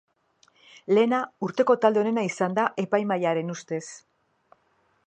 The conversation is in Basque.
Lehena urteko talde onena izan da epaimahairen ustez.